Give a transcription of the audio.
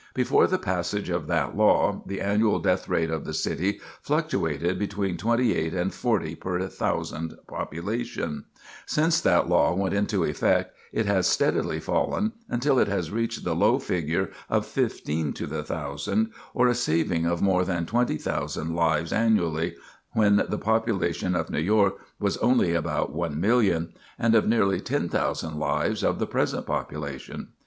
Before the passage of that law the annual death rate of the city fluctuated between 28 and 40 per 1,000 population; since that law went into effect it has steadily fallen until it has reached the low figure of fifteen to the thousand, or a saving of more than twenty thousand lives annually when the population of New York was only about one million, and of nearly 10,000 lives of the present population.